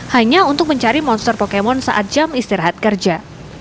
hanya untuk mencari monster pokemon saat jam istirahat kerja